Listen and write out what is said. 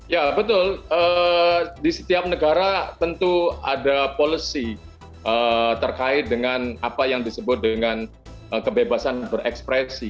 ya betul di setiap negara tentu ada policy terkait dengan apa yang disebut dengan kebebasan berekspresi